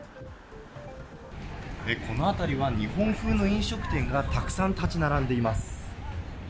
この辺りは日本風の飲食店がたくさん建ち並んでいます。